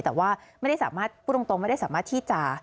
แต่ว่าไม่ได้สามารถพูดตรงไม่ได้สามารถที่จะ